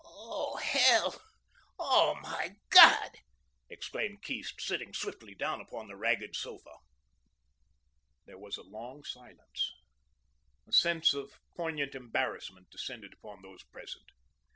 "Oh, hell! Oh, my God!" exclaimed Keast, sitting swiftly down upon the ragged sofa. There was a long silence. A sense of poignant embarrassment descended upon those present.